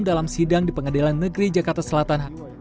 dalam sidang di pengadilan negeri jakarta selatan